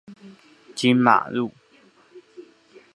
金馬路